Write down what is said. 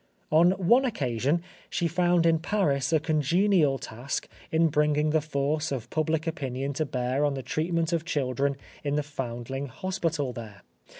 On one occasion she found in Paris a congenial task in bringing the force of public opinion to bear on the treatment of children in the Foundling Hospital there.